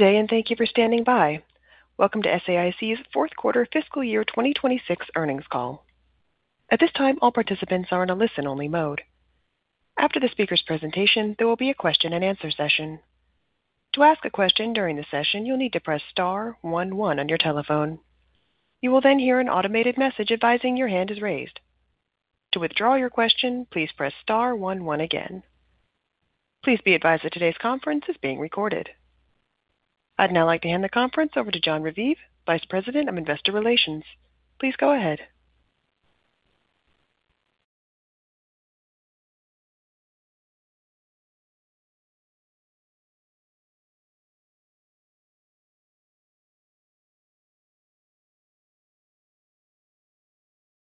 Good day and thank you for standing by. Welcome to SAIC's Fourth Quarter Fiscal Year 2026 Earnings Call. At this time, all participants are in a listen-only mode. After the speaker's presentation, there will be a question-and-answer session. To ask a question during the session, you'll need to press star one, one on your telephone. You will then hear an automated message advising your hand is raised. To withdraw your question, please press star one, one again. Please be advised that today's conference is being recorded. I'd now like to hand the conference over to Jon Raviv, Vice President of Investor Relations. Please go ahead.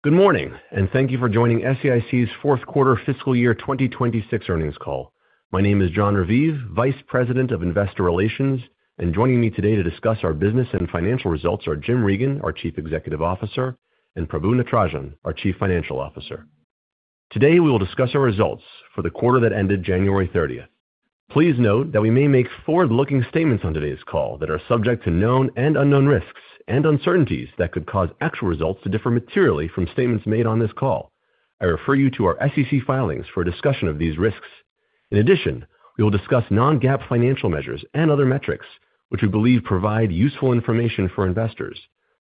Good morning and thank you for joining SAIC's fourth quarter fiscal year 2026 earnings call. My name is Jon Raviv, Vice President of Investor Relations, and joining me today to discuss our business and financial results are Jim Reagan, our Chief Executive Officer, and Prabu Natarajan, our Chief Financial Officer. Today we will discuss our results for the quarter that ended January thirtieth. Please note that we may make forward-looking statements on today's call that are subject to known and unknown risks and uncertainties that could cause actual results to differ materially from statements made on this call. I refer you to our SEC filings for a discussion of these risks. In addition, we will discuss non-GAAP financial measures and other metrics which we believe provide useful information for investors.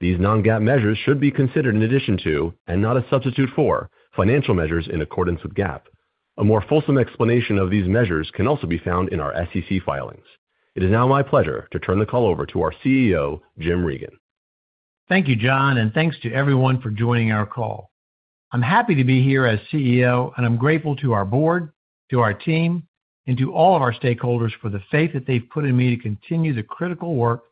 These non-GAAP measures should be considered in addition to, and not a substitute for, financial measures in accordance with GAAP. A more fulsome explanation of these measures can also be found in our SEC filings. It is now my pleasure to turn the call over to our CEO, Jim Regan. Thank you, Jon, and thanks to everyone for joining our call. I'm happy to be here as CEO, and I'm grateful to our board, to our team, and to all of our stakeholders for the faith that they've put in me to continue the critical work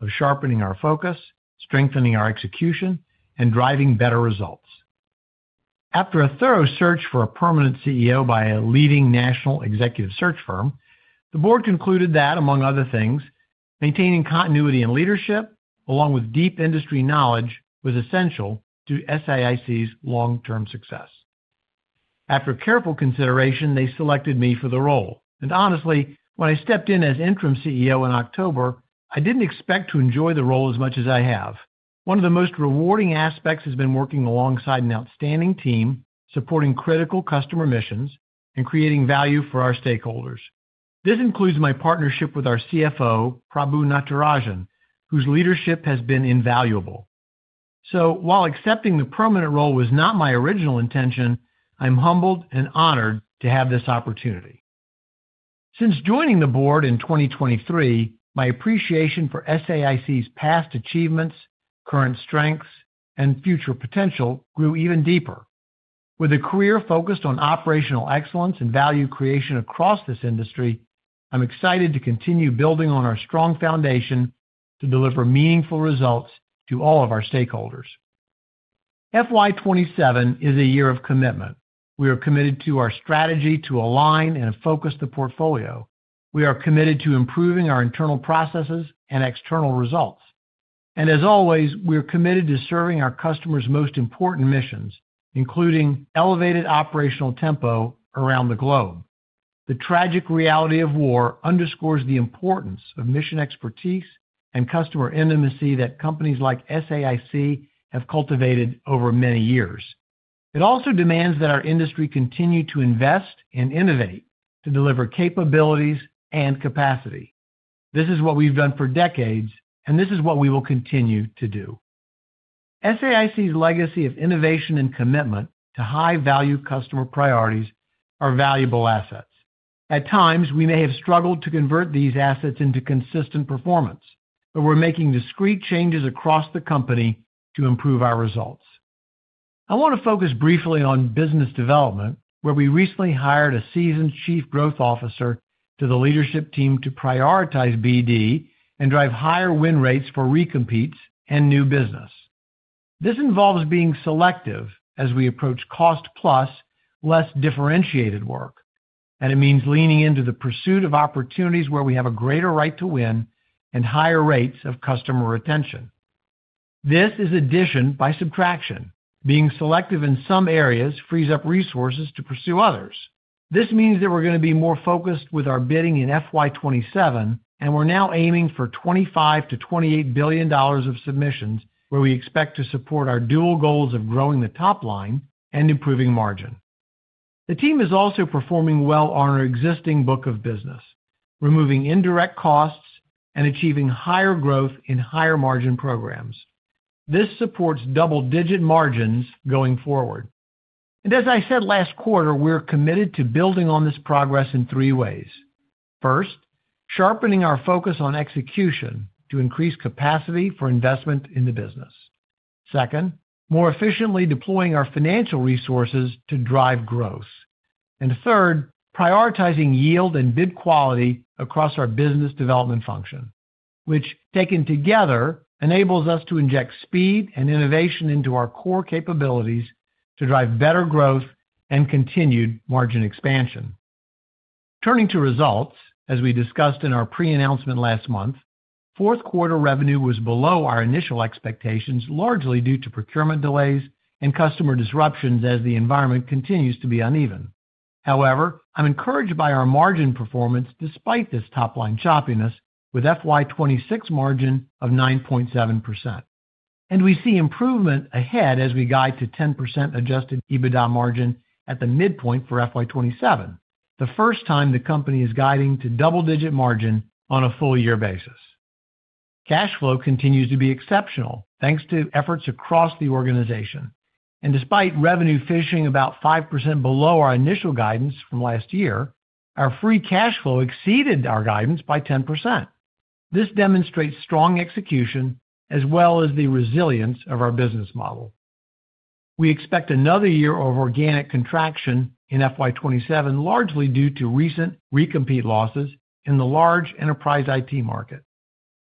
of sharpening our focus, strengthening our execution, and driving better results. After a thorough search for a permanent CEO by a leading national executive search firm, the board concluded that, among other things, maintaining continuity in leadership along with deep industry knowledge was essential to SAIC's long-term success. After careful consideration, they selected me for the role, and honestly, when I stepped in as interim CEO in October, I didn't expect to enjoy the role as much as I have. One of the most rewarding aspects has been working alongside an outstanding team, supporting critical customer missions and creating value for our stakeholders. This includes my partnership with our CFO, Prabu Natarajan, whose leadership has been invaluable. While accepting the permanent role was not my original intention, I'm humbled and honored to have this opportunity. Since joining the board in 2023, my appreciation for SAIC's past achievements, current strengths, and future potential grew even deeper. With a career focused on operational excellence and value creation across this industry, I'm excited to continue building on our strong foundation to deliver meaningful results to all of our stakeholders. Fiscal year 2027 is a year of commitment. We are committed to our strategy to align and focus the portfolio. We are committed to improving our internal processes and external results. As always, we are committed to serving our customers' most important missions, including elevated operational tempo around the globe. The tragic reality of war underscores the importance of mission expertise and customer intimacy that companies like SAIC have cultivated over many years. It also demands that our industry continue to invest and innovate to deliver capabilities and capacity. This is what we've done for decades, and this is what we will continue to do. SAIC's legacy of innovation and commitment to high-value customer priorities are valuable assets. At times, we may have struggled to convert these assets into consistent performance, but we're making discrete changes across the company to improve our results. I want to focus briefly on business development, where we recently hired a seasoned chief growth officer to the leadership team to prioritize BD and drive higher win rates for recompetes and new business. This involves being selective as we approach cost plus less differentiated work, and it means leaning into the pursuit of opportunities where we have a greater right to win and higher rates of customer retention. This is addition by subtraction. Being selective in some areas frees up resources to pursue others. This means that we're gonna be more focused with our bidding in fiscal year 2027, and we're now aiming for $25 billion-$28 billion of submissions where we expect to support our dual goals of growing the top line and improving margin. The team is also performing well on our existing book of business, removing indirect costs and achieving higher growth in higher margin programs. This supports double-digit margins going forward. As I said last quarter, we're committed to building on this progress in three ways. First, sharpening our focus on execution to increase capacity for investment in the business. Second, more efficiently deploying our financial resources to drive growth. Third, prioritizing yield and bid quality across our business development function, which taken together enables us to inject speed and innovation into our core capabilities to drive better growth and continued margin expansion. Turning to results, as we discussed in our pre-announcement last month, fourth quarter revenue was below our initial expectations, largely due to procurement delays and customer disruptions as the environment continues to be uneven. However, I'm encouraged by our margin performance despite this top-line choppiness with fiscal year 2026 margin of 9.7%. We see improvement ahead as we guide to 10% adjusted EBITDA margin at the midpoint for fiscal year 2027, the first time the company is guiding to double-digit margin on a full year basis. Cash flow continues to be exceptional, thanks to efforts across the organization. Despite revenue finishing about 5% below our initial guidance from last year, our free cash flow exceeded our guidance by 10%. This demonstrates strong execution as well as the resilience of our business model. We expect another year of organic contraction in fiscal year 2027, largely due to recent recompete losses in the large enterprise IT market.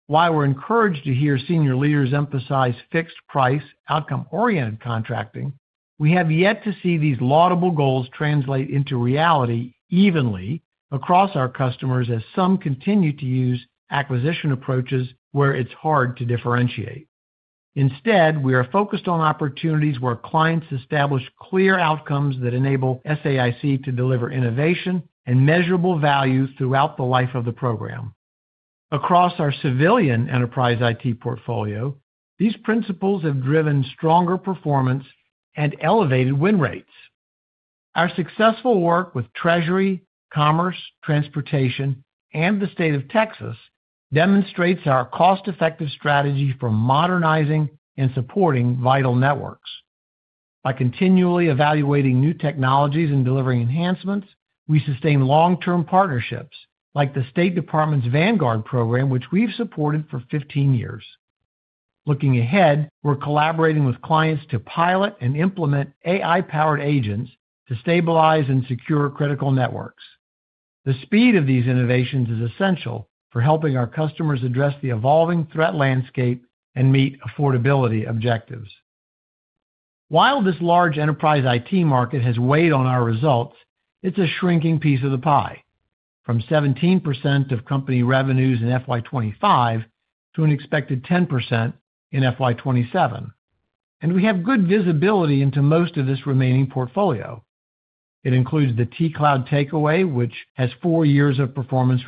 While we're encouraged to hear senior leaders emphasize fixed-price, outcome-oriented contracting, we have yet to see these laudable goals translate into reality evenly across our customers as some continue to use acquisition approaches where it's hard to differentiate. Instead, we are focused on opportunities where clients establish clear outcomes that enable SAIC to deliver innovation and measurable value throughout the life of the program. Across our civilian enterprise IT portfolio, these principles have driven stronger performance and elevated win rates. Our successful work with Treasury, Commerce, Transportation, and the State of Texas demonstrates our cost-effective strategy for modernizing and supporting vital networks. By continually evaluating new technologies and delivering enhancements, we sustain long-term partnerships, like the State Department's Vanguard program, which we've supported for 15 years. Looking ahead, we're collaborating with clients to pilot and implement AI-powered agents to stabilize and secure critical networks. The speed of these innovations is essential for helping our customers address the evolving threat landscape and meet affordability objectives. While this large enterprise IT market has weighed on our results, it's a shrinking piece of the pie from 17% of company revenues in fiscal year 2025 to an expected 10% in fiscal year 2027. We have good visibility into most of this remaining portfolio. It includes the T-Cloud Takeaway, which has four years of performance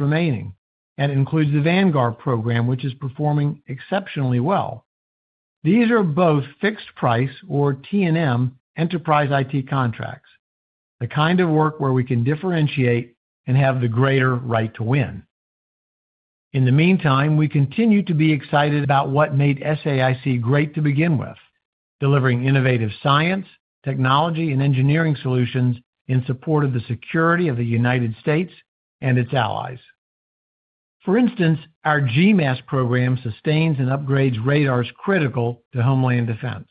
remaining, and it includes the Vanguard program, which is performing exceptionally well. These are both fixed-price or T&M enterprise IT contracts, the kind of work where we can differentiate and have the greater right to win. In the meantime, we continue to be excited about what made SAIC great to begin with, delivering innovative science, technology, and engineering solutions in support of the security of the United States and its allies. For instance, our GMASS program sustains and upgrades radars critical to homeland defense.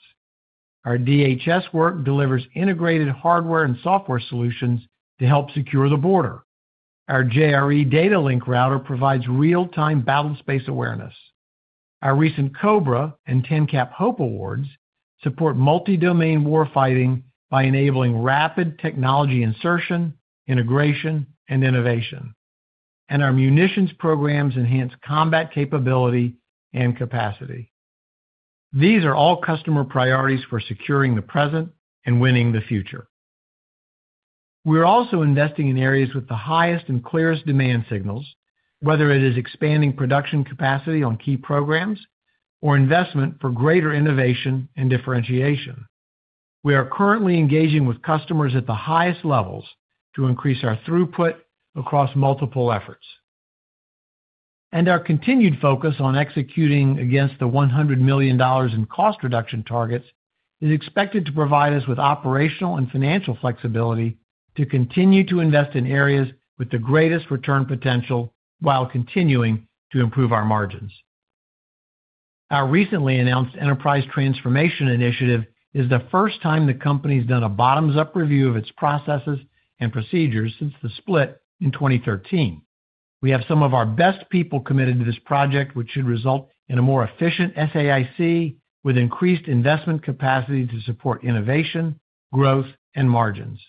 Our DHS work delivers integrated hardware and software solutions to help secure the border. Our JRE data link router provides real-time battlespace awareness. Our recent COBRA and TENCAP HOPE awards support multi-domain warfighting by enabling rapid technology insertion, integration, and innovation. Our munitions programs enhance combat capability and capacity. These are all customer priorities for securing the present and winning the future. We're also investing in areas with the highest and clearest demand signals, whether it is expanding production capacity on key programs or investment for greater innovation and differentiation. We are currently engaging with customers at the highest levels to increase our throughput across multiple efforts. Our continued focus on executing against the $100 million in cost reduction targets is expected to provide us with operational and financial flexibility to continue to invest in areas with the greatest return potential while continuing to improve our margins. Our recently announced enterprise transformation initiative is the first time the company's done a bottoms-up review of its processes and procedures since the split in 2013. We have some of our best people committed to this project, which should result in a more efficient SAIC with increased investment capacity to support innovation, growth, and margins.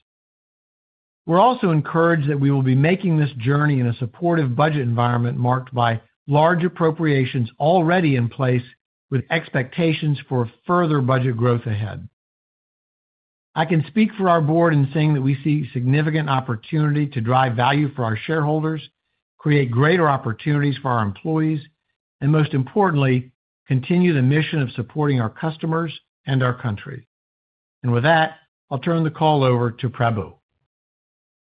We're also encouraged that we will be making this journey in a supportive budget environment marked by large appropriations already in place with expectations for further budget growth ahead. I can speak for our board in saying that we see significant opportunity to drive value for our shareholders, create greater opportunities for our employees, and most importantly, continue the mission of supporting our customers and our country. With that, I'll turn the call over to Prabu.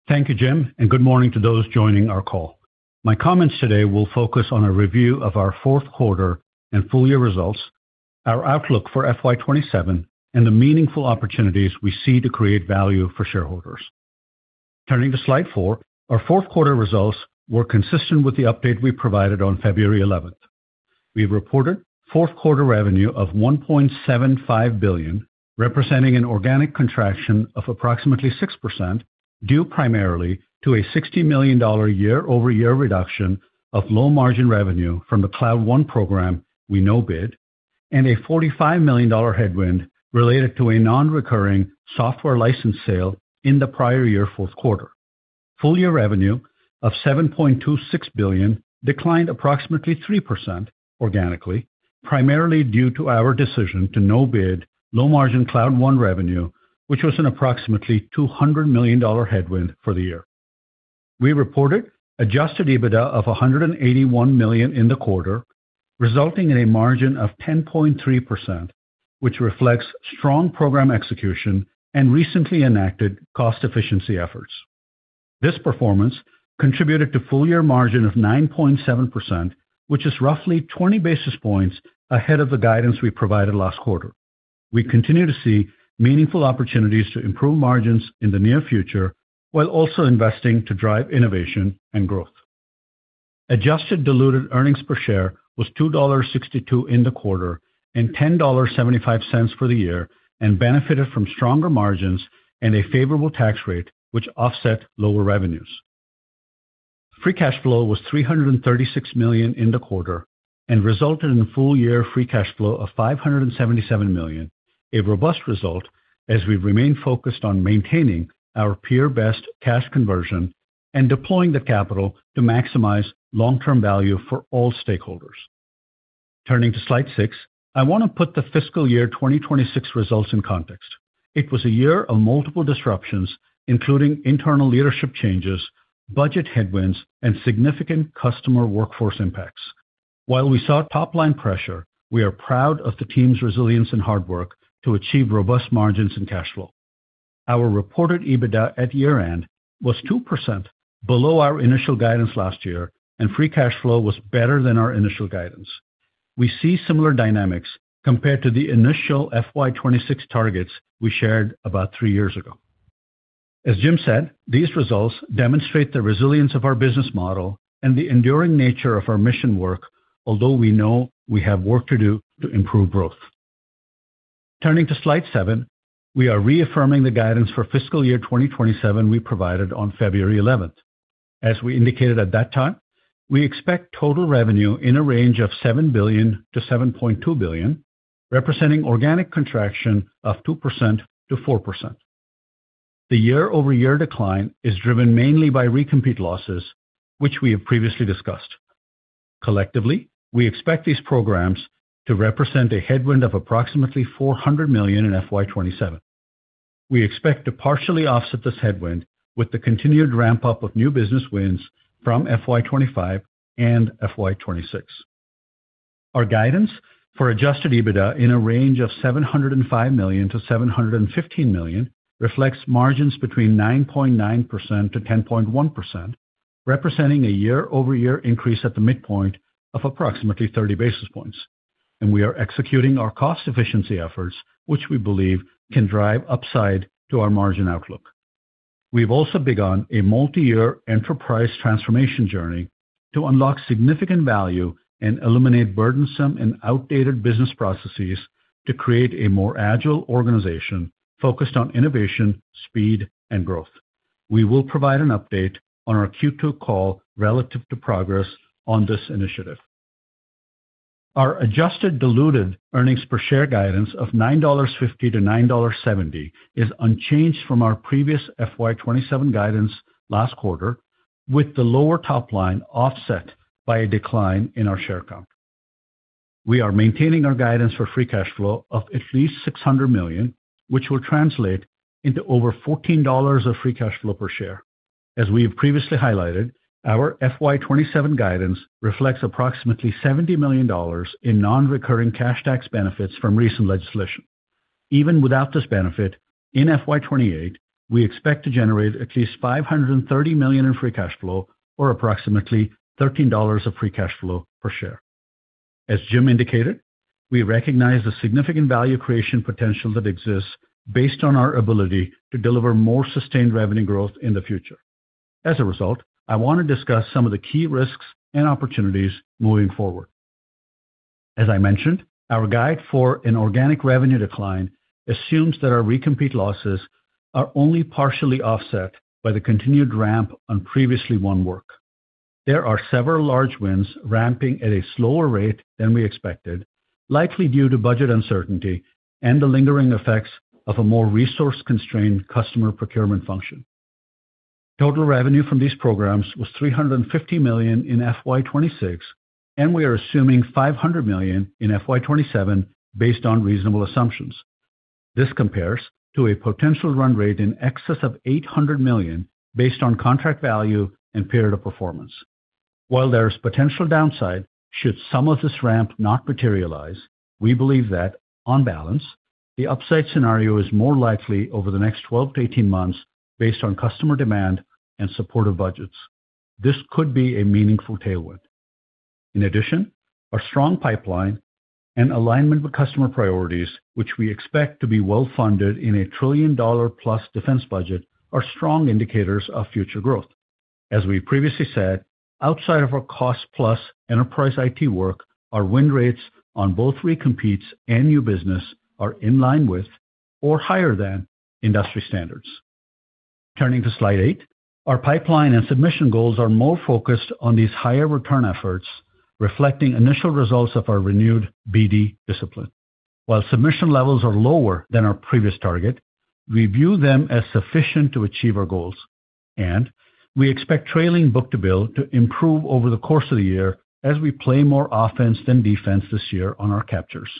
Thank you, Jim, and good morning to those joining our call. My comments today will focus on a review of our fourth quarter and full year results, our outlook for fiscal year 2027, and the meaningful opportunities we see to create value for shareholders. Turning to slide four, our fourth quarter results were consistent with the update we provided on February 11. We reported fourth quarter revenue of $1.75 billion, representing an organic contraction of approximately 6%, due primarily to a $60 million year-over-year reduction of low margin revenue from the Cloud One program we no-bid, and a $45 million headwind related to a non-recurring software license sale in the prior year fourth quarter. Full year revenue of $7.26 billion declined approximately 3% organically, primarily due to our decision to no bid low margin Cloud One revenue, which was an approximately $200 million headwind for the year. We reported adjusted EBITDA of $181 million in the quarter, resulting in a margin of 10.3%, which reflects strong program execution and recently enacted cost efficiency efforts. This performance contributed to full year margin of 9.7%, which is roughly 20-basis points ahead of the guidance we provided last quarter. We continue to see meaningful opportunities to improve margins in the near future, while also investing to drive innovation and growth. Adjusted diluted earnings per share was $2.62 in the quarter and $10.75 for the year, and benefited from stronger margins and a favorable tax rate, which offset lower revenues. Free cash flow was $336 million in the quarter and resulted in full year free cash flow of $577 million, a robust result as we remain focused on maintaining our peer best cash conversion and deploying the capital to maximize long-term value for all stakeholders. Turning to slide six, I want to put the fiscal year 2026 results in context. It was a year of multiple disruptions, including internal leadership changes, budget headwinds, and significant customer workforce impacts. While we saw top line pressure, we are proud of the team's resilience and hard work to achieve robust margins and cash flow. Our reported EBITDA at year-end was 2% below our initial guidance last year, and free cash flow was better than our initial guidance. We see similar dynamics compared to the initial fiscal year 2026 targets we shared about three years ago. As Jim said, these results demonstrate the resilience of our business model and the enduring nature of our mission work, although we know we have work to do to improve growth. Turning to slide seven, we are reaffirming the guidance for fiscal year 2027 we provided on February 11. As we indicated at that time, we expect total revenue in a range of $7 Billion-$7.2 billion, representing organic contraction of 2%-4%. The year-over-year decline is driven mainly by recompete losses, which we have previously discussed. Collectively, we expect these programs to represent a headwind of approximately $400 million in fiscal year 2027. We expect to partially offset this headwind with the continued ramp-up of new business wins from fiscal year 2025 and fiscal year 2026. Our guidance for adjusted EBITDA in a range of $705 million-$715 million reflects margins between 9.9%-10.1%, representing a year-over-year increase at the midpoint of approximately 30-basis points. We are executing our cost efficiency efforts, which we believe can drive upside to our margin outlook. We've also begun a multi-year enterprise transformation journey to unlock significant value and eliminate burdensome and outdated business processes to create a more agile organization focused on innovation, speed, and growth. We will provide an update on our second quarter call relative to progress on this initiative. Our adjusted diluted earnings per share guidance of $9.50-$9.70 is unchanged from our previous fiscal year 2027 guidance last quarter, with the lower top line offset by a decline in our share count. We are maintaining our guidance for free cash flow of at least $600 million, which will translate into over $14 of free cash flow per share. As we have previously highlighted, our fiscal year 2027 guidance reflects approximately $70 million in non-recurring cash tax benefits from recent legislation. Even without this benefit, in fiscal year 2028, we expect to generate at least $530 million in free cash flow or approximately $13 of free cash flow per share. As Jim indicated, we recognize the significant value creation potential that exists based on our ability to deliver more sustained revenue growth in the future. As a result, I want to discuss some of the key risks and opportunities moving forward. As I mentioned, our guide for an organic revenue decline assumes that our recompete losses are only partially offset by the continued ramp on previously won work. There are several large wins ramping at a slower rate than we expected, likely due to budget uncertainty and the lingering effects of a more resource-constrained customer procurement function. Total revenue from these programs was $350 million in fiscal year 2026, and we are assuming $500 million in fiscal year 2027 based on reasonable assumptions. This compares to a potential run rate in excess of $800 million based on contract value and period of performance. While there is potential downside should some of this ramp not materialize, we believe that on balance, the upside scenario is more likely over the next 12 to 18 months based on customer demand and supportive budgets. This could be a meaningful tailwind. In addition, our strong pipeline and alignment with customer priorities, which we expect to be well-funded in a trillion-dollar-plus defense budget, are strong indicators of future growth. As we previously said, outside of our cost plus enterprise IT work, our win rates on both recompetes and new business are in line with or higher than industry standards. Turning to slide eight, our pipeline and submission goals are more focused on these higher return efforts, reflecting initial results of our renewed BD discipline. While submission levels are lower than our previous target, we view them as sufficient to achieve our goals, and we expect trailing book to bill to improve over the course of the year as we play more offense than defense this year on our captures.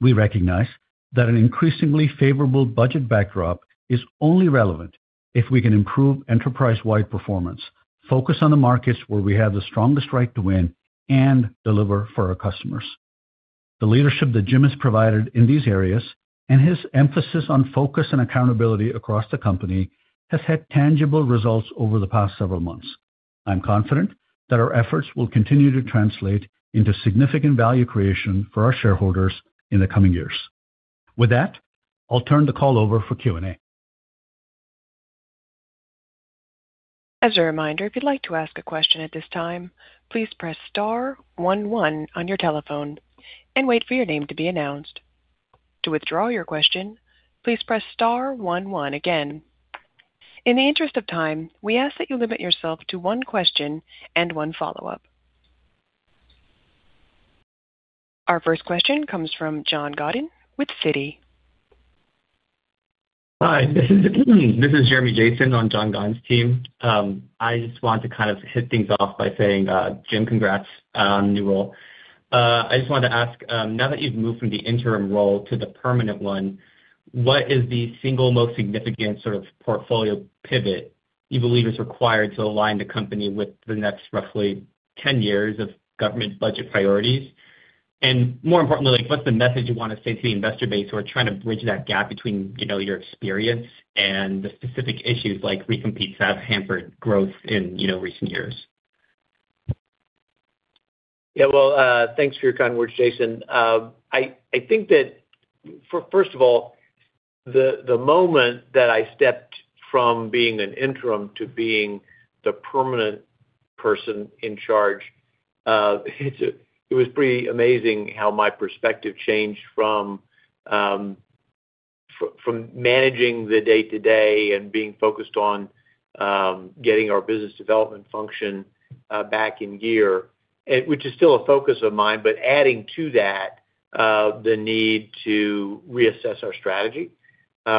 We recognize that an increasingly favorable budget backdrop is only relevant if we can improve enterprise-wide performance, focus on the markets where we have the strongest right to win, and deliver for our customers. The leadership that Jim has provided in these areas and his emphasis on focus and accountability across the company has had tangible results over the past several months. I'm confident that our efforts will continue to translate into significant value creation for our shareholders in the coming years. With that, I'll turn the call over for Q&A. As a reminder, if you'd like to ask a question at this time, please press star one, one on your telephone and wait for your name to be announced. To withdraw your question, please press star one, one again. In the interest of time, we ask that you limit yourself to one question and one follow-up. Our first question comes from John Godyn with Citi. Hi, this is Jeremy Jason on John Godyn's team. I just want to kind of hit things off by saying, Jim, congrats on the new role. I just wanted to ask, now that you've moved from the interim role to the permanent one, what is the single most significant sort of portfolio pivot you believe is required to align the company with the next roughly 10 years of government budget priorities? And more importantly, like, what's the message you want to say to the investor base who are trying to bridge that gap between, you know, your experience and the specific issues like Recompete that have hampered growth in, you know, recent years? Yeah. Well, thanks for your kind words, Jason. I think that first of all, the moment that I stepped from being an interim to being the permanent person in charge, it was pretty amazing how my perspective changed from managing the day-to-day and being focused on getting our business development function back in gear, which is still a focus of mine, but adding to that, the need to reassess our strategy,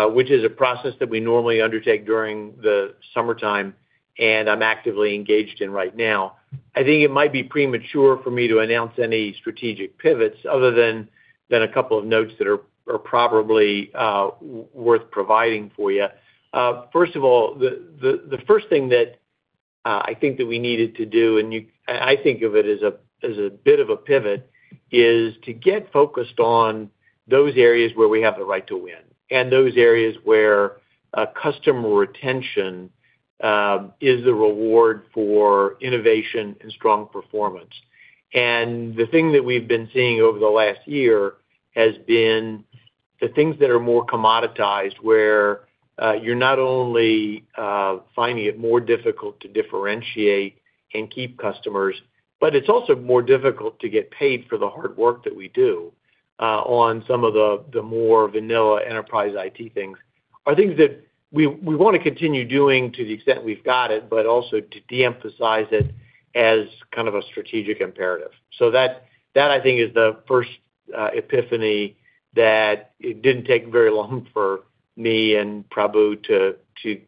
which is a process that we normally undertake during the summertime, and I'm actively engaged in right now. I think it might be premature for me to announce any strategic pivots other than a couple of notes that are probably worth providing for you. First of all, the first thing that I think that we needed to do, I think of it as a bit of a pivot, is to get focused on those areas where we have the right to win and those areas where customer retention is the reward for innovation and strong performance. The thing that we've been seeing over the last year has been the things that are more commoditized, where you're not only finding it more difficult to differentiate and keep customers, but it's also more difficult to get paid for the hard work that we do on some of the more vanilla enterprise IT things, are things that we want to continue doing to the extent we've got it, but also to de-emphasize it as kind of a strategic imperative. That, I think, is the first epiphany that it didn't take very long for me and Prabu to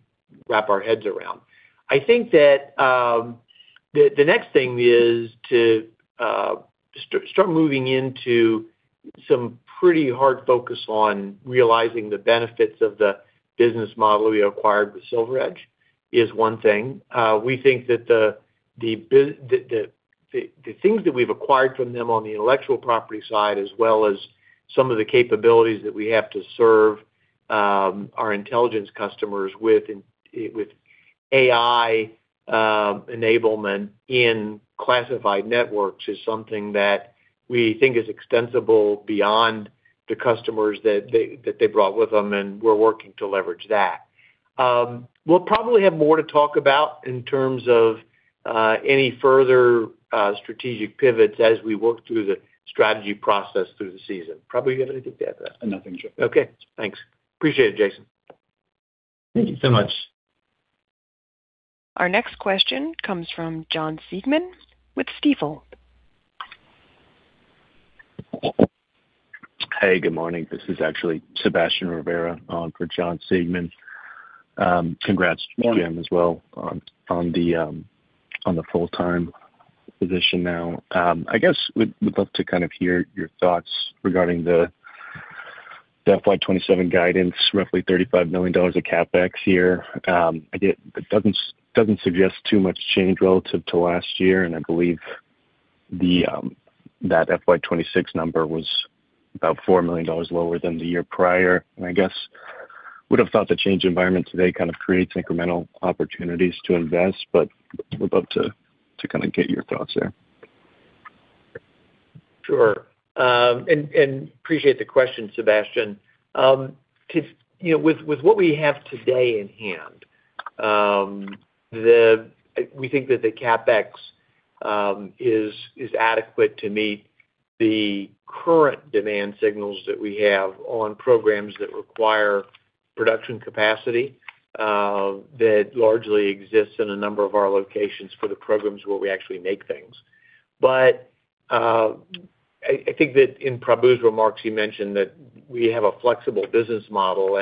wrap our heads around. I think that the next thing is to start moving into some pretty hard focus on realizing the benefits of the business model we acquired with SilverEdge is one thing. We think that the things that we've acquired from them on the intellectual property side, as well as some of the capabilities that we have to serve our intelligence customers with AI enablement in classified networks is something that we think is extensible beyond the customers that they brought with them, and we're working to leverage that. We'll probably have more to talk about in terms of any further strategic pivots as we work through the strategy process through the season. Prabu, you got anything to add to that? Nothing, Jim. Okay. Thanks. Appreciate it, Jason. Thank you so much. Our next question comes from Jon Siegmann with Stifel. Hey, good morning. This is actually Sebastian Rivera on for Jon Siegmann. Congrats Joe and... Morning. Jim, as well on the full-time position now. I guess we'd love to kind of hear your thoughts regarding the fiscal year 2027 guidance, roughly $35 million of CapEx here. I get it doesn't suggest too much change relative to last year, and I believe that fiscal year 2026 number was about $4 million lower than the year prior. I guess would've thought the change environment today kind of creates incremental opportunities to invest but would love to kind of get your thoughts there. Sure. Appreciate the question, Sebastian. You know, with what we have today in hand, we think that the CapEx is adequate to meet the current demand signals that we have on programs that require production capacity, that largely exists in a number of our locations for the programs where we actually make things. I think that in Prabu's remarks, he mentioned that we have a flexible business model,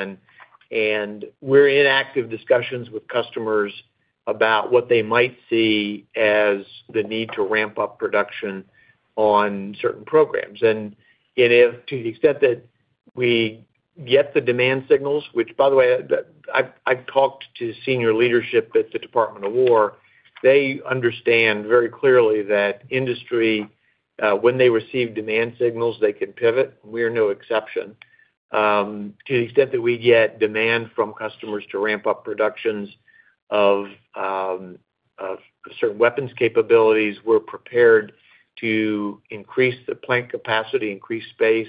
and we're in active discussions with customers about what they might see as the need to ramp up production on certain programs. If, to the extent that we get the demand signals, which by the way, I've talked to senior leadership at the Department of Defense, they understand very clearly that industry, when they receive demand signals, they can pivot, and we're no exception. To the extent that we get demand from customers to ramp up productions of certain weapons capabilities, we're prepared to increase the plant capacity, increase space,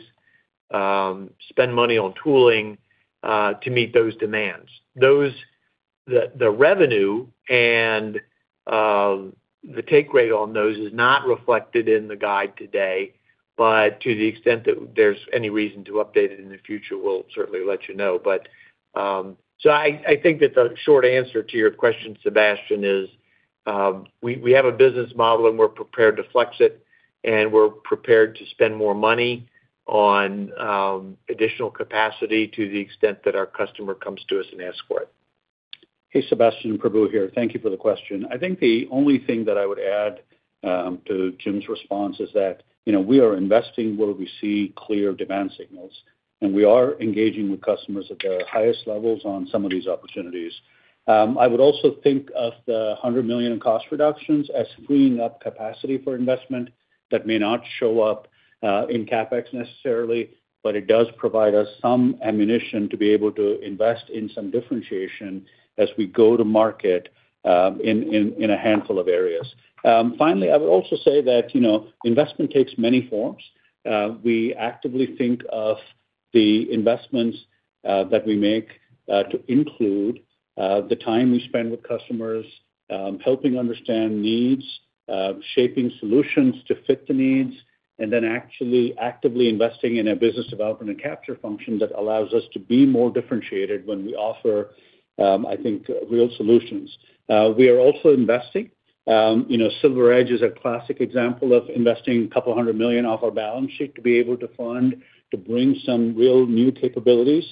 spend money on tooling to meet those demands. The revenue and the take rate on those is not reflected in the guide today, but to the extent that there's any reason to update it in the future, we'll certainly let you know. I think that the short answer to your question, Sebastian, is we have a business model, and we're prepared to flex it, and we're prepared to spend more money on additional capacity to the extent that our customer comes to us and asks for it. Hey, Sebastian, Prabu here. Thank you for the question. I think the only thing that I would add to Jim's response is that, you know, we are investing where we see clear demand signals, and we are engaging with customers at their highest levels on some of these opportunities. I would also think of the $100 million in cost reductions as freeing up capacity for investment that may not show up in CapEx necessarily, but it does provide us some ammunition to be able to invest in some differentiation as we go to market in a handful of areas. Finally, I would also say that, you know, investment takes many forms. We actively think of the investments that we make to include the time we spend with customers, helping understand needs, shaping solutions to fit the needs, and then actually actively investing in a business development and capture function that allows us to be more differentiated when we offer, I think, real solutions. We are also investing. You know, SilverEdge is a classic example of investing $200 million off our balance sheet to be able to fund, to bring some real new capabilities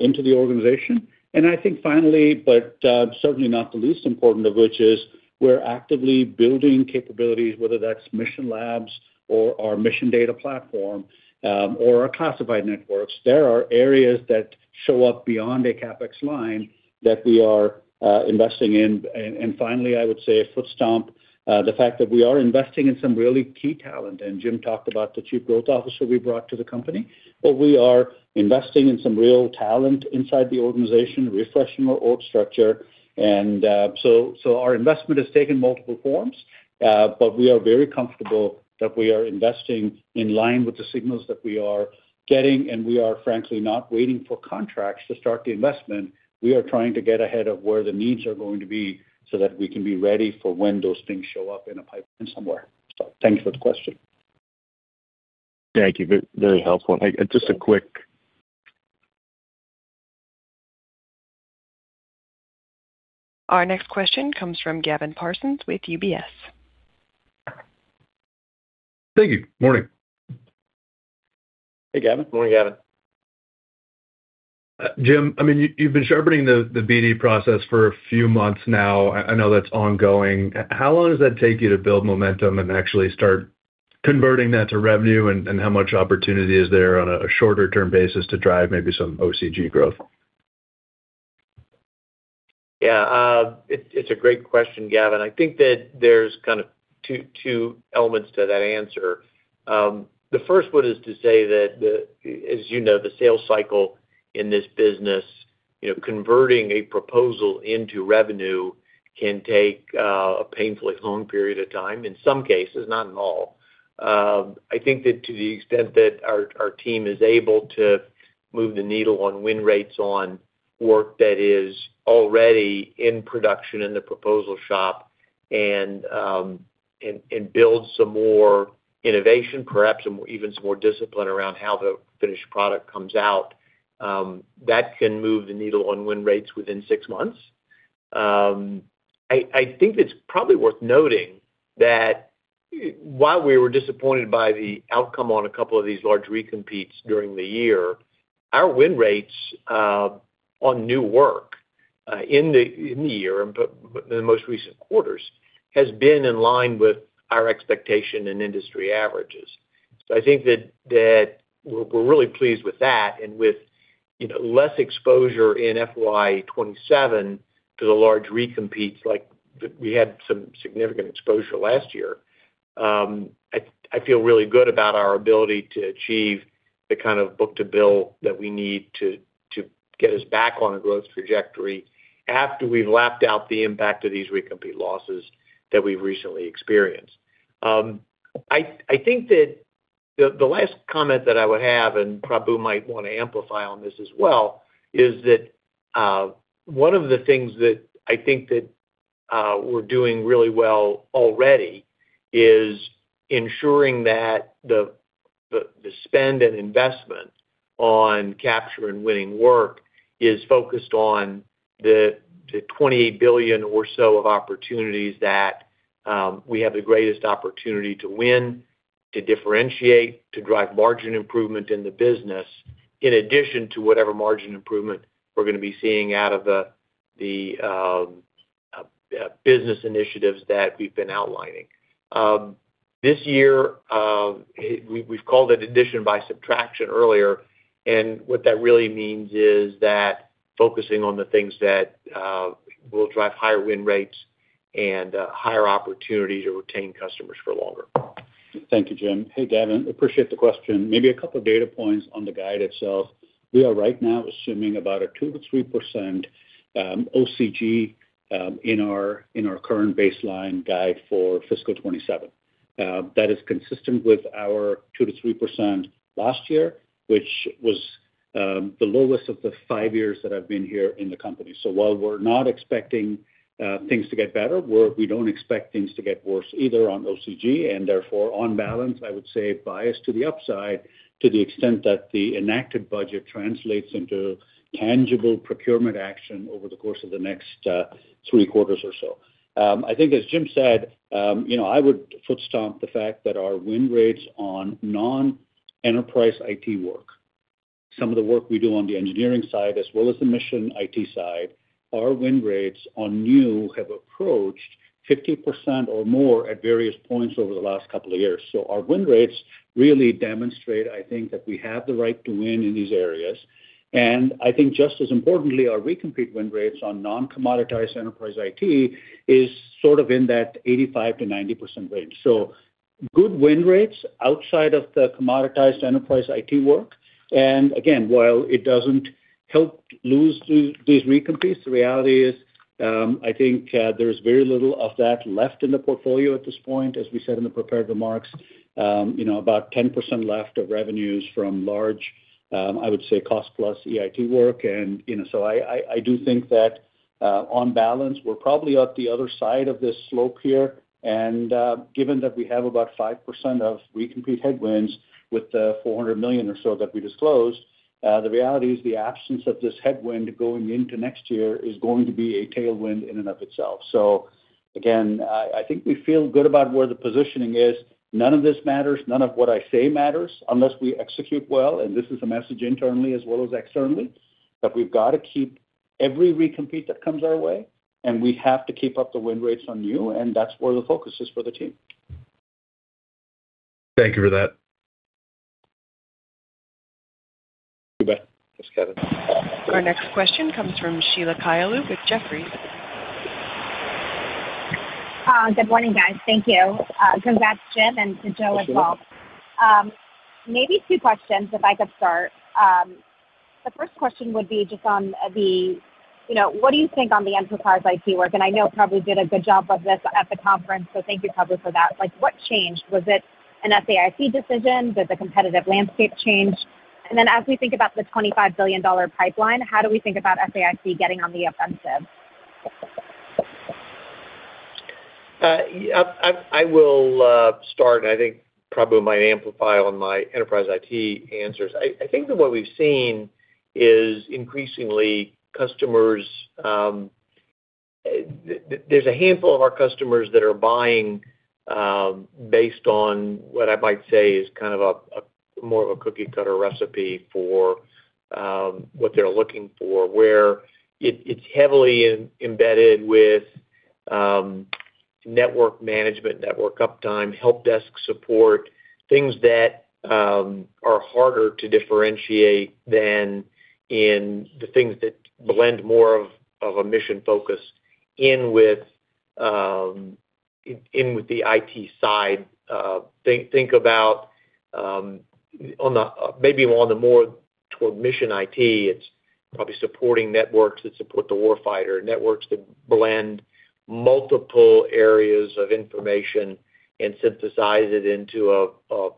into the organization. I think finally, but certainly not the least important of which is we're actively building capabilities, whether that's Mission Labs or our Mission Data Platform, or our classified networks. There are areas that show up beyond a CapEx line that we are investing in. Finally, I would say a foot stomp, the fact that we are investing in some really key talent, and Jim talked about the chief growth officer we brought to the company. We are investing in some real talent inside the organization, refreshing our org structure. Our investment has taken multiple forms, but we are very comfortable that we are investing in line with the signals that we are getting, and we are frankly not waiting for contracts to start the investment. We are trying to get ahead of where the needs are going to be so that we can be ready for when those things show up in a pipeline somewhere. Thank you for the question. Thank you. Very helpful. Hey, just a quick... Our next question comes from Gavin Parsons with UBS. Thank you. Morning. Hey, Gavin. Morning, Gavin. Jim, I mean, you've been sharpening the BD process for a few months now. I know that's ongoing. How long does that take you to build momentum and actually start converting that to revenue? How much opportunity is there on a shorter-term basis to drive maybe some OCG growth? Yeah, it's a great question, Gavin. I think that there's kind of two elements to that answer. The first one is to say that, as you know, the sales cycle in this business, you know, converting a proposal into revenue can take a painfully long period of time in some cases, not in all. I think that to the extent that our team is able to move the needle on win rates on work that is already in production in the proposal shop and build some more innovation, perhaps even some more discipline around how the finished product comes out, that can move the needle on win rates within six months. I think it's probably worth noting that while we were disappointed by the outcome on a couple of these large recompetes during the year, our win rates on new work in the year and the most recent quarters has been in line with our expectation and industry averages. I think that we're really pleased with that and with, you know, less exposure in fiscal year 2027 to the large recompetes like we had some significant exposure last year. I feel really good about our ability to achieve the kind of book to bill that we need to get us back on a growth trajectory after we've lapped out the impact of these recompete losses that we've recently experienced. I think that the last comment that I would have, and Prabu might want to amplify on this as well, is that one of the things that I think that we're doing really well already is ensuring that the spend and investment on capture and winning work is focused on the 20 billion or so of opportunities that we have the greatest opportunity to win, to differentiate, to drive margin improvement in the business. In addition to whatever margin improvement, we're gonna be seeing out of the business initiatives that we've been outlining. This year, we've called it addition by subtraction earlier, and what that really means is that focusing on the things that will drive higher win rates and higher opportunity to retain customers for longer. Thank you, Jim. Hey, Gavin, appreciate the question. Maybe a couple data points on the guide itself. We are right now assuming about a 2%-3% OCG in our current baseline guide for fiscal 2027. That is consistent with our 2%-3% last year, which was the lowest of the five years that I've been here in the company. While we're not expecting things to get better, we don't expect things to get worse either on OCG, and therefore on balance, I would say biased to the upside to the extent that the enacted budget translates into tangible procurement action over the course of the next three quarters or so. I think as Jim said, you know, I would foot stomp the fact that our win rates on non-enterprise IT work, some of the work we do on the engineering side as well as the mission IT side, our win rates on new have approached 50% or more at various points over the last couple of years. Our win rates really demonstrate, I think, that we have the right to win in these areas. I think just as importantly, our recompete win rates on non-commoditized enterprise IT is sort of in that 85%-90% range. Good win rates outside of the commoditized enterprise IT work, and again, while it doesn't help us lose these recompetes, the reality is, I think, there's very little of that left in the portfolio at this point. As we said in the prepared remarks, you know, about 10% left of revenues from large, I would say, cost plus EIT work. You know, I do think that on balance, we're probably at the other side of this slope here. Given that we have about 5% of recompete headwinds with the $400 million or so that we disclosed, the reality is the absence of this headwind going into next year is going to be a tailwind in and of itself. Again, I think we feel good about where the positioning is. None of this matters, none of what I say matters unless we execute well, and this is a message internally as well as externally, but we've got to keep every recompete that comes our way, and we have to keep up the win rates on new, and that's where the focus is for the team. Thank you for that. You bet. Thanks, Gavin. Our next question comes from Sheila Kahyaoglu with Jefferies. Good morning, guys. Thank you. Congrats, Jim, and to Joe as well. Maybe two questions, if I could start. The first question would be just on the, you know, what do you think on the enterprise IT work? I know you probably did a good job of this at the conference, so thank you probably for that. Like what changed? Was it an SAIC decision? Did the competitive landscape change? Then as we think about the $25 billion pipeline, how do we think about SAIC getting on the offensive? Yeah. I will start. I think probably might amplify on my enterprise IT answers. I think that what we've seen is increasingly customers. There's a handful of our customers that are buying based on what I might say is kind of a more of a cookie cutter recipe for what they're looking for, where it's heavily embedded with network management, network uptime, help desk support, things that are harder to differentiate than in the things that blend more of a mission focus in with in with the IT side. Think about maybe more toward mission IT. It's probably supporting networks that support the war fighter, networks that blend multiple areas of information and synthesize it into a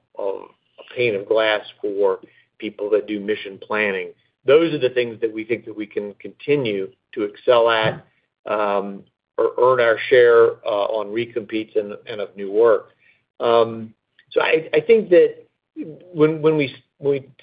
pane of glass for people that do mission planning. Those are the things that we think that we can continue to excel at or earn our share on recompetes and of new work. I think that when we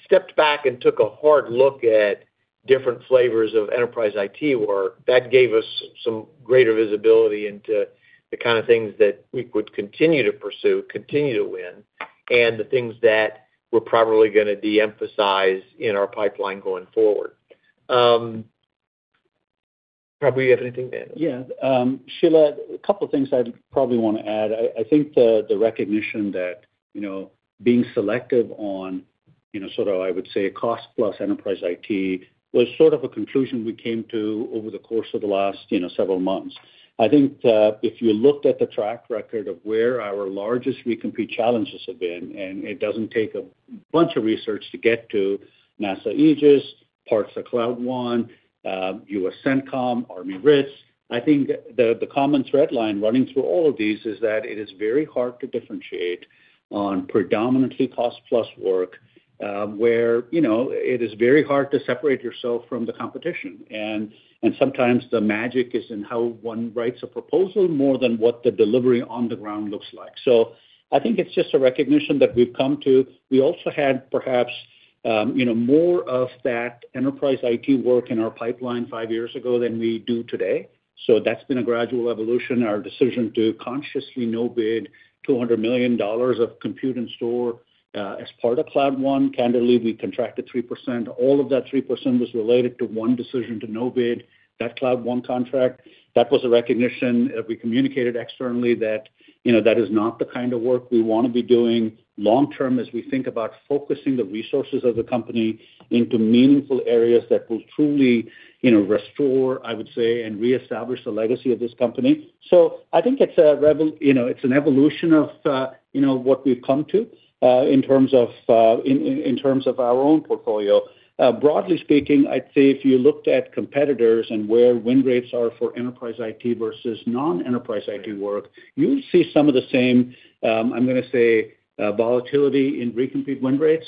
stepped back and took a hard look at different flavors of enterprise IT work, that gave us some greater visibility into the kind of things that we would continue to pursue, continue to win, and the things that we're probably gonna de-emphasize in our pipeline going forward. Probably you have anything to add. Yeah. Sheila, a couple of things I'd probably want to add. I think the recognition that, you know, being selective on, you know, sort of, I would say, cost plus enterprise IT was sort of a conclusion we came to over the course of the last, you know, several months. I think that if you looked at the track record of where our largest recompete challenges have been, and it doesn't take a bunch of research to get to NASA AEGIS, parts of Cloud One, USCENTCOM, Army RIS. I think the common thread line running through all of these is that it is very hard to differentiate on predominantly cost plus work, where, you know, it is very hard to separate yourself from the competition. Sometimes the magic is in how one writes a proposal more than what the delivery on the ground looks like. I think it's just a recognition that we've come to. We also had perhaps more of that enterprise IT work in our pipeline five years ago than we do today. That's been a gradual evolution. Our decision to consciously no-bid $200 million of compute and store as part of Cloud One. Candidly, we contracted 3%. All of that 3% was related to one decision to no-bid that Cloud One contract. That was a recognition that we communicated externally that, you know, that is not the kind of work we wanna be doing long term as we think about focusing the resources of the company into meaningful areas that will truly, you know, restore, I would say, and reestablish the legacy of this company. I think it's you know, it's an evolution of, you know, what we've come to, in terms of our own portfolio. Broadly speaking, I'd say if you looked at competitors and where win rates are for enterprise IT versus non-enterprise IT work, you would see some of the same, I'm gonna say, volatility in recompete win rates,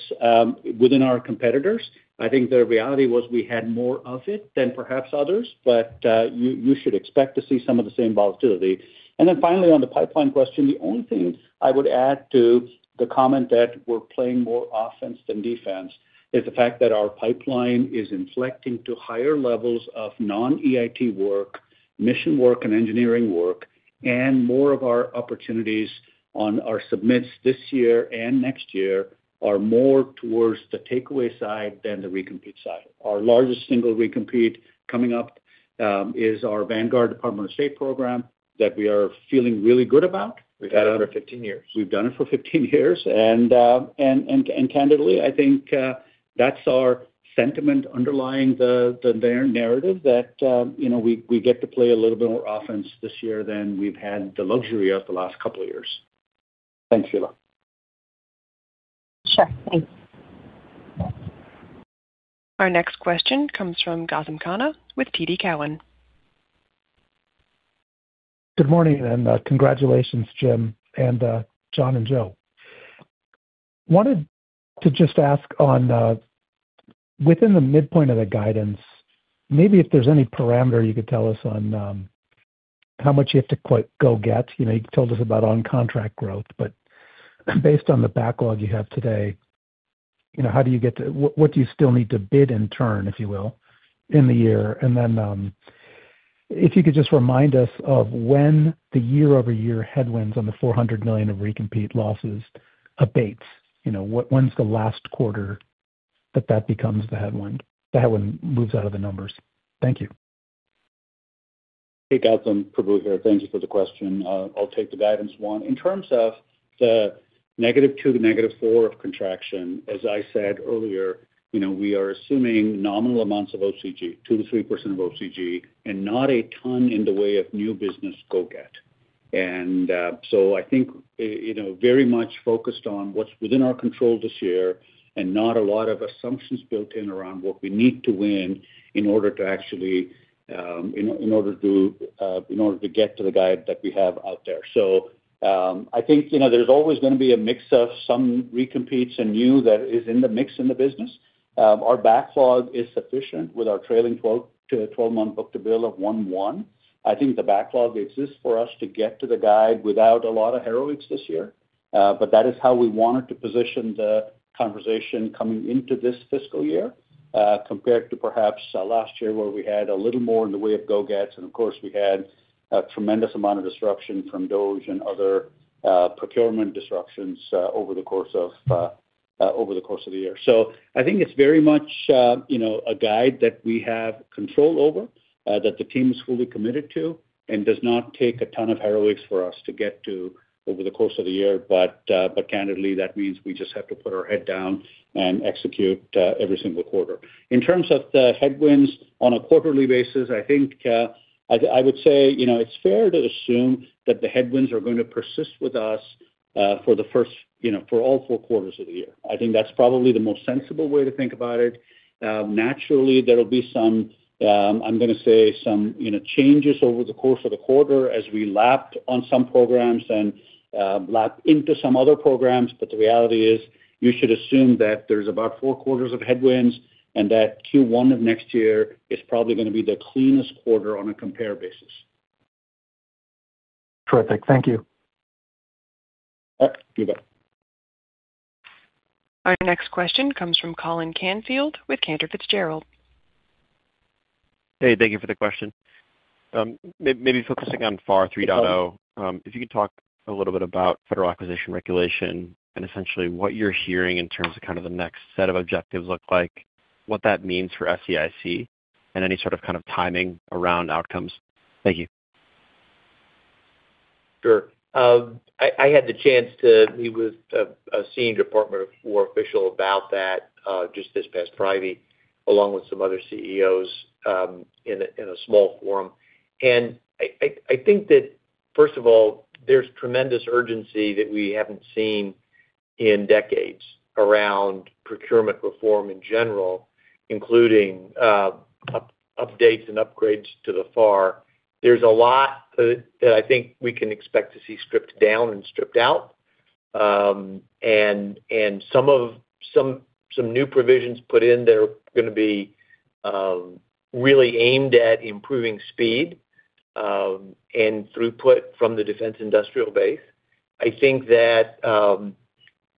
within our competitors. I think the reality was we had more of it than perhaps others, but you should expect to see some of the same volatility. Then finally, on the pipeline question, the only thing I would add to the comment that we're playing more offense than defense is the fact that our pipeline is inflecting to higher levels of non-EIT work, mission work, and engineering work. More of our opportunities on our submits this year and next year are more towards the takeaway side than the recompete side. Our largest single recompete coming up is our Vanguard Department of State program that we are feeling really good about. We've had it for 15 years. We've done it for 15 years. Candidly, I think that's our sentiment underlying the narrative that you know, we get to play a little bit more offense this year than we've had the luxury of the last couple of years. Thanks, Sheila. Sure. Thanks. Our next question comes from Gautam Khanna with TD Cowen. Good morning and congratulations, Jim and John and Joe. Wanted to just ask on within the midpoint of the guidance, maybe if there's any parameter you could tell us on how much you have to quite go get. You know, you told us about on contract growth, but based on the backlog you have today, you know, how do you get to what do you still need to bid in turn, if you will, in the year? Then if you could just remind us of when the year-over-year headwinds on the $400 million of recompete losses abates. You know, what when's the last quarter that that becomes the headwind, the headwind moves out of the numbers? Thank you. Hey, Gautam. Prabu here. Thank you for the question. I'll take the guidance one. In terms of the -2% to -4% contraction, as I said earlier, you know, we are assuming nominal amounts of OCG, 2%-3% of OCG, and not a ton in the way of new business go get. I think, you know, very much focused on what's within our control this year and not a lot of assumptions built in around what we need to win in order to actually get to the guide that we have out there. I think, you know, there's always gonna be a mix of some recompetes and new that is in the mix in the business. Our backlog is sufficient with our trailing 12-month book-to-bill of 1.1x. I think the backlog exists for us to get to the guide without a lot of heroics this year. That is how we wanted to position the conversation coming into this fiscal year, compared to perhaps last year, where we had a little more in the way of go-gets, and of course, we had a tremendous amount of disruption from DoD and other procurement disruptions over the course of the year. I think it's very much, you know, a guide that we have control over, that the team is fully committed to and does not take a ton of heroics for us to get to over the course of the year. Candidly, that means we just have to put our head down and execute every single quarter. In terms of the headwinds on a quarterly basis, I think I would say, you know, it's fair to assume that the headwinds are gonna persist with us for the first, you know, for all four quarters of the year. I think that's probably the most sensible way to think about it. Naturally, there'll be some, I'm gonna say some, you know, changes over the course of the quarter as we lap on some programs and lap into some other programs. The reality is you should assume that there's about four quarters of headwinds and that first quarter of next year is probably gonna be the cleanest quarter on a compare basis. Terrific. Thank you. All right. You bet. Our next question comes from Colin Canfield with Cantor Fitzgerald. Hey, thank you for the question. Maybe focusing on FAR reform, if you could talk a little bit about Federal Acquisition Regulation and essentially what you're hearing in terms of kind of the next set of objectives look like, what that means for SAIC and any sort of kind of timing around outcomes. Thank you. Sure. I had the chance to meet with a senior Department of Defense official about that, just this past Friday, along with some other CEOs, in a small forum. I think that first of all, there's tremendous urgency that we haven't seen in decades around procurement reform in general. Including updates and upgrades to the FAR. There's a lot that I think we can expect to see stripped down and stripped out. Some new provisions put in there are gonna be really aimed at improving speed and throughput from the defense industrial base. I think that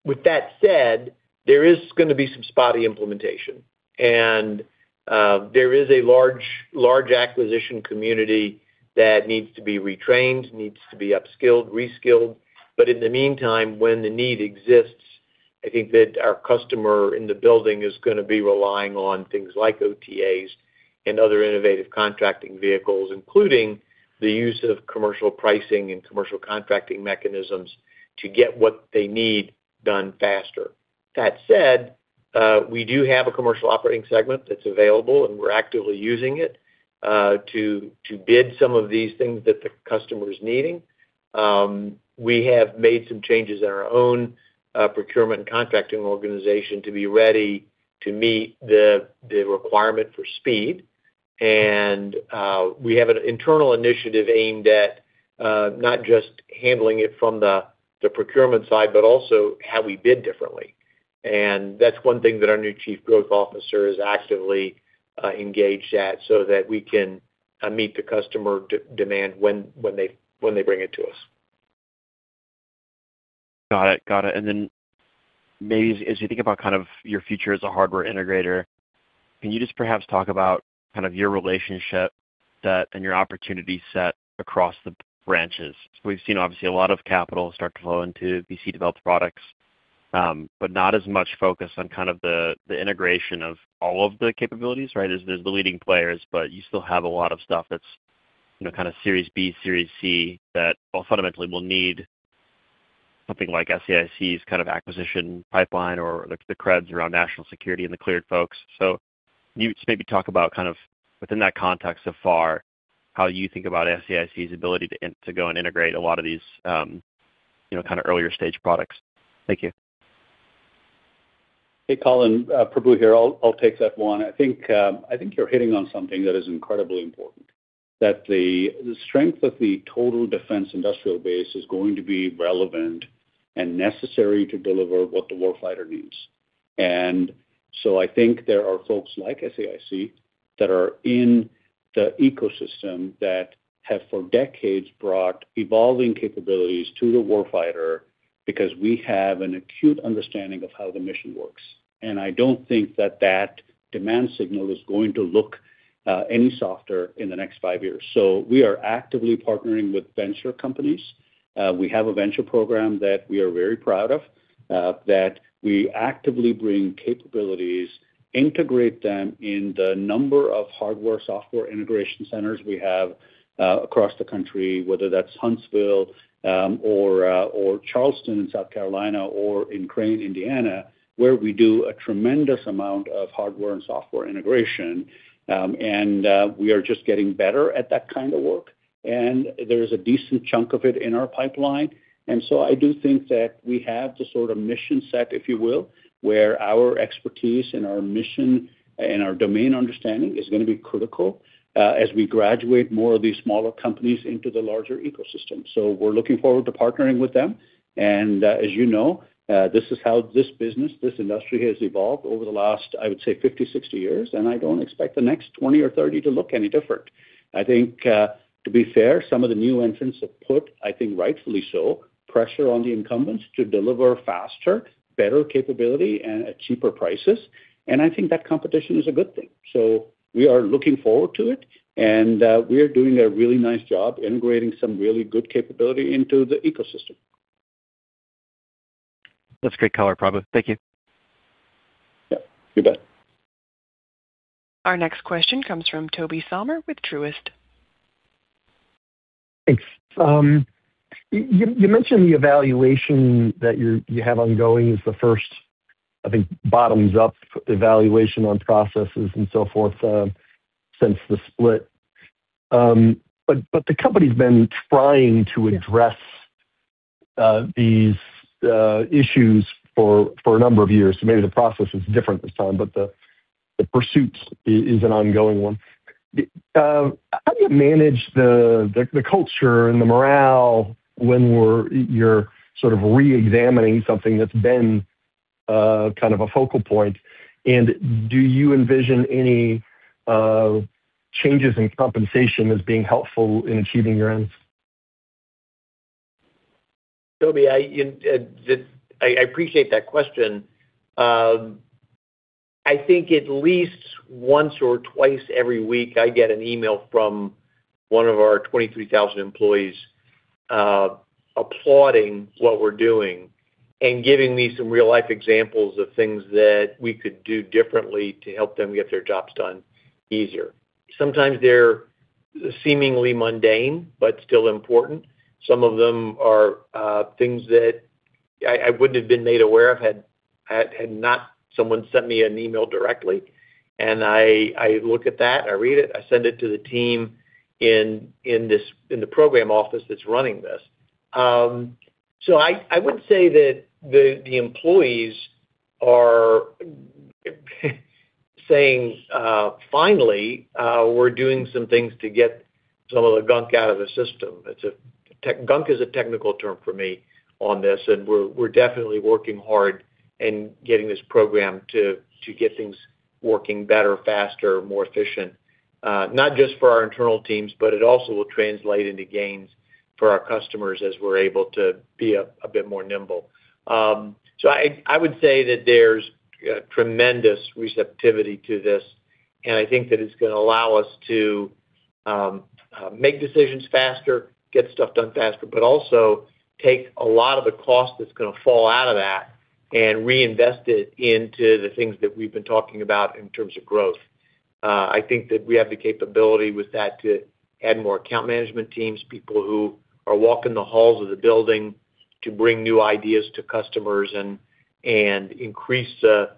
with that said, there is gonna be some spotty implementation, and there is a large acquisition community that needs to be retrained, upskilled, reskilled. In the meantime, when the need exists, I think that our customer in the building is gonna be relying on things like OTAs and other innovative contracting vehicles, including the use of commercial pricing and commercial contracting mechanisms to get what they need done faster. That said, we do have a commercial operating segment that's available, and we're actively using it to bid some of these things that the customer is needing. We have made some changes in our own procurement and contracting organization to be ready to meet the requirement for speed. We have an internal initiative aimed at not just handling it from the procurement side but also how we bid differently. That's one thing that our new chief growth officer is actively engaged at so that we can meet the customer demand when they bring it to us. Got it. Maybe as you think about kind of your future as a hardware integrator, can you just perhaps talk about kind of your relationship and your opportunity set across the branches? We've seen obviously a lot of capital start to flow into VC-developed products, but not as much focus on kind of the integration of all of the capabilities, right? There's the leading players, but you still have a lot of stuff that's, you know, kind of Series B, Series C that well, fundamentally will need something like SAIC's kind of acquisition pipeline or the creds around national security and the cleared folks. Can you just maybe talk about kind of, within that context of FAR, how you think about SAIC's ability to go and integrate a lot of these, you know, kind of earlier stage products? Thank you. Hey, Colin, Prabu here. I'll take that one. I think you're hitting on something that is incredibly important, that the strength of the total defense industrial base is going to be relevant and necessary to deliver what the warfighter needs. I think there are folks like SAIC that are in the ecosystem that have for decades brought evolving capabilities to the warfighter because we have an acute understanding of how the mission works. I don't think that demand signal is going to look any softer in the next five years. We are actively partnering with venture companies. We have a venture program that we are very proud of, that we actively bring capabilities, integrate them into a number of hardware, software integration centers we have, across the country, whether that's Huntsville, or Charleston in South Carolina or in Crane, Indiana, where we do a tremendous amount of hardware and software integration. We are just getting better at that kind of work, and there is a decent chunk of it in our pipeline. I do think that we have the sort of mission set, if you will, where our expertise and our mission and our domain understanding is gonna be critical, as we graduate more of these smaller companies into the larger ecosystem. We're looking forward to partnering with them. As you know, this is how this business, this industry has evolved over the last, I would say, 50 years, 60 years, and I don't expect the next 20 years or 30 years to look any different. I think, to be fair, some of the new entrants have put, I think rightfully so, pressure on the incumbents to deliver faster, better capability and at cheaper prices. I think that competition is a good thing. We are looking forward to it, and we are doing a really nice job integrating some really good capability into the ecosystem. That's great color, Prabu. Thank you. Yeah, you bet. Our next question comes from Tobey Sommer with Truist. Thanks. You mentioned the evaluation that you have ongoing is the first, I think, bottoms-up evaluation on processes and so forth since the split. But the company's been trying to address these issues for a number of years. Maybe the process is different this time, but the pursuit is an ongoing one. How do you manage the culture and the morale when you're sort of re-examining something that's been kind of a focal point? Do you envision any changes in compensation as being helpful in achieving your ends? Toby, I appreciate that question. I think at least once or twice every week, I get an email from one of our 23,000 employees, applauding what we're doing and giving me some real-life examples of things that we could do differently to help them get their jobs done easier. Sometimes they're seemingly mundane but still important. Some of them are things that I wouldn't have been made aware of had not someone sent me an email directly. I look at that, I read it, I send it to the team in this program office that's running this. I would say that the employees are saying finally we're doing some things to get some of the gunk out of the system. Gunk is a technical term for me on this, and we're definitely working hard in getting this program to get things working better, faster, more efficient. Not just for our internal teams, but it also will translate into gains for our customers as we're able to be a bit more nimble. I would say that there's tremendous receptivity to this, and I think that it's gonna allow us to make decisions faster, get stuff done faster also take a lot of the cost that's gonna fall out of that and reinvest it into the things that we've been talking about in terms of growth. I think that we have the capability with that to add more account management teams, people who are walking the halls of the building to bring new ideas to customers and increase the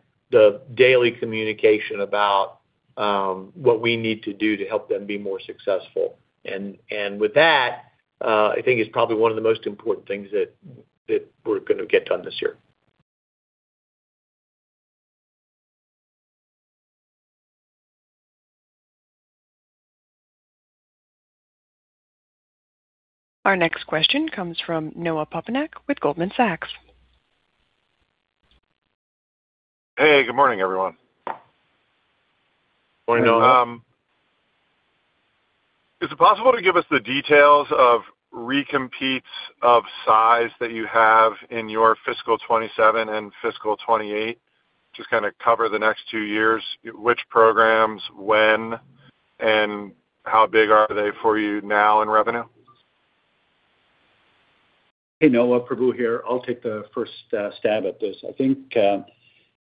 daily communication about what we need to do to help them be more successful. With that, I think it's probably one of the most important things that we're gonna get done this year. Our next question comes from Noah Poponak with Goldman Sachs. Hey, good morning, everyone. Morning, Noah. Is it possible to give us the details of recompetes of size that you have in your fiscal 2027 and fiscal 2028? Just kind of cover the next two years, which programs, when, and how big are they for you now in revenue? Hey, Noah, Prabu here. I'll take the first stab at this. I think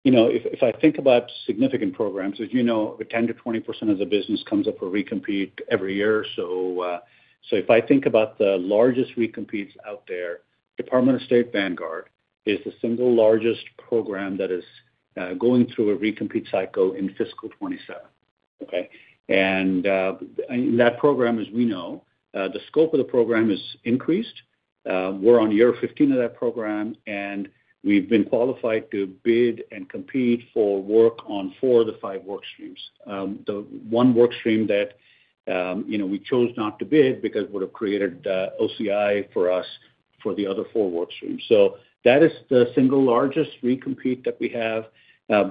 you know if I think about significant programs, as you know, 10%-20% of the business comes up for recompete every year. If I think about the largest recompetes out there, Department of State Vanguard is the single largest program that is going through a recompete cycle in fiscal 2027. That program, as we know, the scope of the program is increased. We're on year 15 of that program, and we've been qualified to bid and compete for work on four of the five work streams. The one work stream that, you know, we chose not to bid because it would have created OCI for us for the other four work streams. That is the single largest recompete that we have.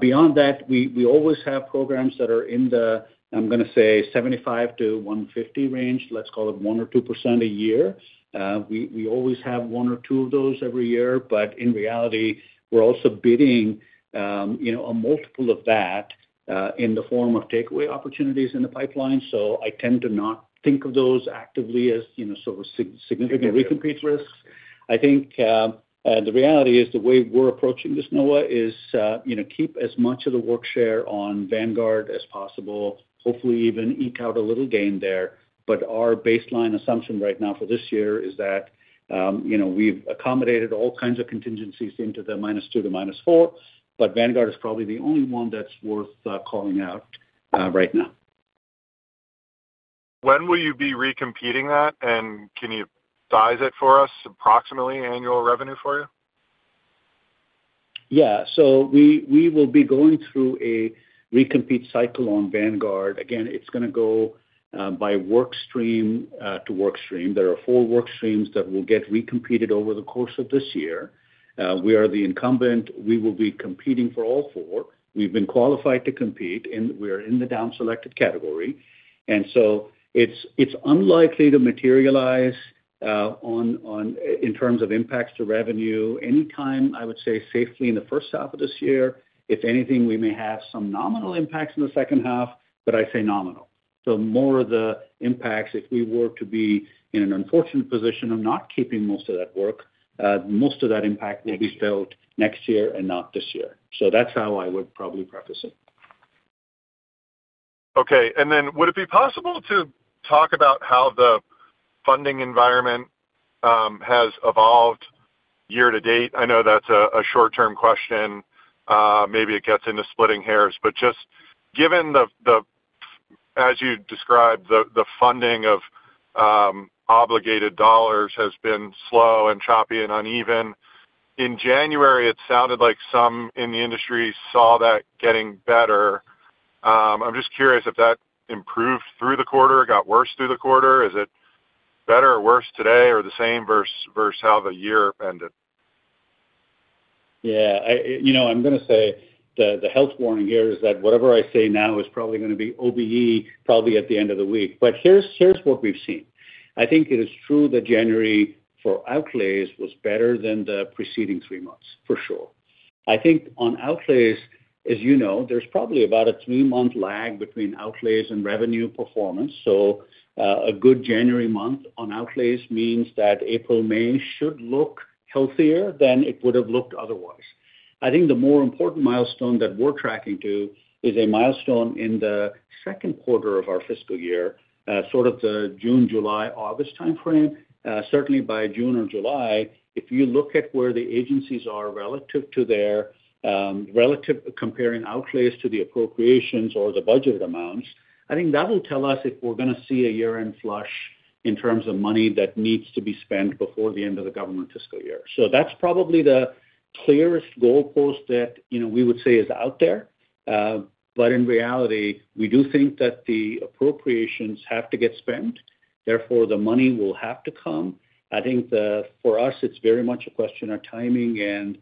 Beyond that, we always have programs that are in the, I'm gonna say, $75 million-$150 million range. Let's call it 1% or 2% a year. We always have one or two of those, every year. In reality, we're also bidding, you know, a multiple of that, in the form of takeaway opportunities in the pipeline. I tend to not think of those actively as, you know, sort of significant recompete risks. I think, the reality is the way we're approaching this, Noah, is, you know, keep as much of the work share on Vanguard as possible, hopefully even eke out a little gain there. Our baseline assumption right now for this year is that, you know, we've accommodated all kinds of contingencies into the -2% to -4%, but Vanguard is probably the only one that's worth calling out right now. When will you be recompeting that? Can you size it for us, approximately annual revenue for you? Yeah. We will be going through a recompete cycle on Vanguard. Again, it's gonna go by work stream to work stream. There are four work streams that will get recompeted over the course of this year. We are the incumbent. We will be competing for all four. We've been qualified to compete, and we're in the down selected category. It's unlikely to materialize in terms of impacts to revenue anytime. I would say safely in the first half of this year. If anything, we may have some nominal impacts in the second half, but I say nominal. More of the impacts, if we were to be in an unfortunate position of not keeping most of that work, most of that impact will be felt next year and not this year. That's how I would probably preface it. Okay. Would it be possible to talk about how the funding environment has evolved year to date? I know that's a short-term question. Maybe it gets into splitting hairs, but just given as you described, the funding of obligated dollars has been slow and choppy and uneven. In January, it sounded like some in the industry saw that getting better. I'm just curious if that improved through the quarter, got worse through the quarter. Is it better or worse today or the same versus how the year ended? Yeah. You know, I'm gonna say the health warning here is that whatever I say now is probably gonna be OBE at the end of the week. Here's what we've seen. I think it is true that January for outlays was better than the preceding three months, for sure. I think on outlays, as you know, there's probably about a three-month lag between outlays and revenue performance. A good January month on outlays means that April, May should look healthier than it would have looked otherwise. I think the more important milestone that we're tracking to is a milestone in the second quarter of our fiscal year, sort of the June, July, August timeframe. Certainly by June or July, if you look at where the agencies are relative to their relative comparing outlays to the appropriations or the budgeted amounts, I think that will tell us if we're gonna see a year-end flush in terms of money that needs to be spent before the end of the government fiscal year. That's probably the clearest goalpost that, you know, we would say is out there. In reality, we do think that the appropriations have to get spent, therefore the money will have to come. I think for us, it's very much a question of timing and,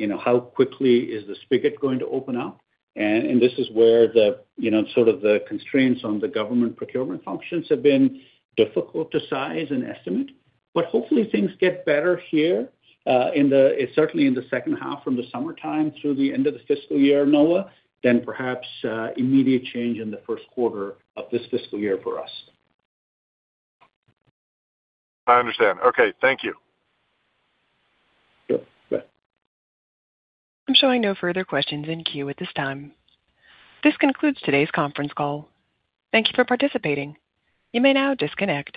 you know, how quickly is the spigot going to open up. This is where the, you know, sort of the constraints on the government procurement functions have been difficult to size and estimate. Hopefully things get better here, certainly in the second half from the summertime through the end of the fiscal year, Noah, then perhaps immediate change in the first quarter of this fiscal year for us. I understand. Okay, thank you. Sure. Bye. I'm showing no further questions in queue at this time. This concludes today's conference call. Thank you for participating. You may now disconnect.